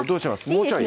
もうちょい？